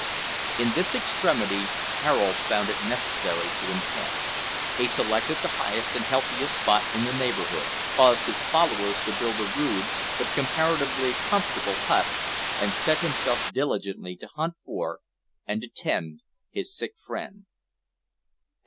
In this extremity Harold found it necessary to encamp. He selected the highest and healthiest spot in the neighbourhood, caused his followers to build a rude, but comparatively comfortable, hut and set himself diligently to hunt for, and to tend, his sick friend.